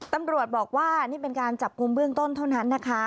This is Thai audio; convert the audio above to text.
ตำรวจบอกว่านี่เป็นการจับกลุ่มเบื้องต้นเท่านั้นนะคะ